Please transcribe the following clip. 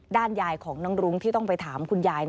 ยายของน้องรุ้งที่ต้องไปถามคุณยาย